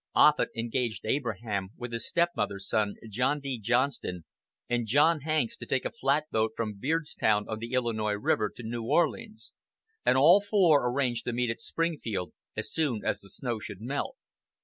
Offut engaged Abraham, with his stepmother's son, John D. Johnston, and John Hanks, to take a flatboat from Beardstown, on the Illinois River, to New Orleans; and all four arranged to meet at Springfield as soon as the snow should melt.